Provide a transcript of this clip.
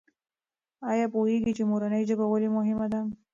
آیا پوهېږې چې مورنۍ ژبه ولې مهمه ده؟